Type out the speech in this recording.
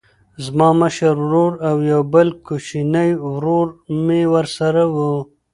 زه زما مشر ورور او یو بل کوچنی ورور مې ورسره و